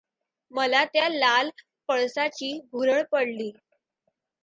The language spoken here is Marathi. मला त्या लाल पळसाची भूरळ पडली.